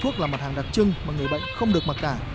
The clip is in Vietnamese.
thuốc là mặt hàng đặc trưng mà người bệnh không được mặc cả